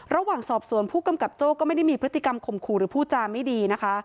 ระหว่างสอบสวนผู้กำกับโจ้ก็ไม่ได้มีพฤติกรรมข่มขู่หรือผู้จาไม่ดีนะคะ